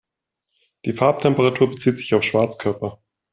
Die Farbtemperatur bezieht sich auf Schwarzkörper.